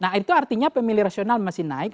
nah itu artinya pemilih rasional masih naik